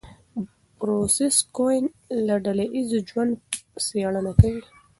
بروس کوئن د ډله ایز ژوند څېړنه کوي.